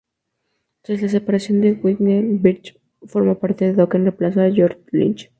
Tras la separación de Winger, Beach formó parte de Dokken, reemplazando a George Lynch.